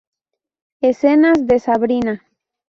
Escenas de "Sabrina"